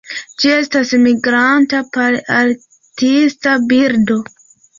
Ĝi estas migranta palearktisa birdo.